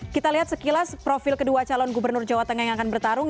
kita lihat sekilas profil kedua calon gubernur jawa tengah yang akan bertarung